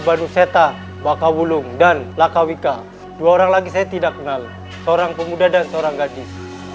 baduceta bakawulung dan lakawika dua orang lagi saya tidak kenal seorang pemuda dan seorang gadis